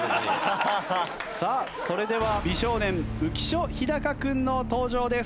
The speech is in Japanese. さあそれでは美少年浮所飛貴君の登場です。